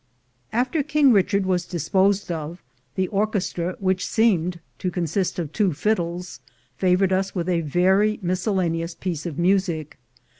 After King Richard was disposed of, the orchestra, which seemed to consist of two fiddles, favored us with a very miscellaneous piece of music.